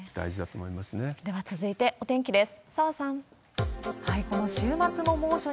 では続いてお天気です。